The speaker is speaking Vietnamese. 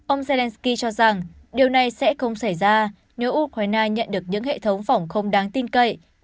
ông zelensky cho rằng điều này sẽ không xảy ra nếu ukraine nhận được những hệ thống phòng không đáng tin cậy